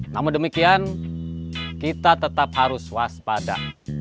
namun demikian kita tetap harus waspada